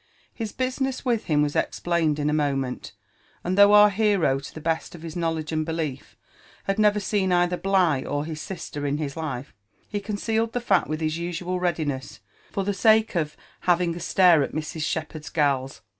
His business with him was explained in a moment ; and though our hero, to the best of his knowledge and belief, had never seen either Bligh or his sister in his life, he concealed the fact with his usual readiness, for the sake of " having a stare at Mrs. Shepherd's gals."